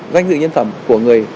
doanh dự nhân phẩm của người